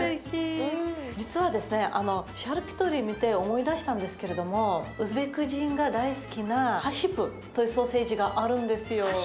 実はですねシャルキュトリ見て思い出したんですけれどもウズベク人が大好きなハシプというソーセージがあるんですよ。